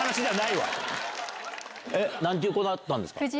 何ていう子だったんですか？